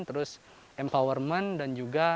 terus empowerment dan juga